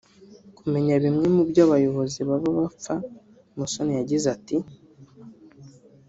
Kumenya bimwe mu byo abayobozi baba bapfa Musoni yagize ati